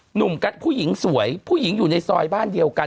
ผู้หญิงสวยผู้หญิงอยู่ในซอยบ้านเดียวกัน